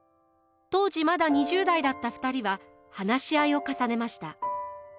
当時まだ２０代だった２人は話し合いを重ねました。